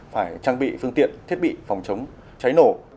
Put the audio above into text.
phải trang bị phương tiện thiết bị phòng chống cháy nổ